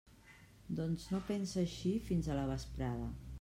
Doncs no pense eixir fins a la vesprada.